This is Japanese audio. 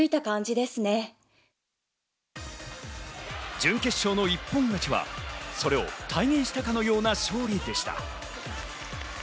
準決勝の一本勝ちはそれを体現したかのような勝利でした。